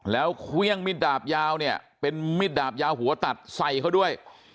แล้วเครื่องมิดดาบยาวเนี่ยเป็นมิดดาบยาวหัวตัดใส่เขาด้วย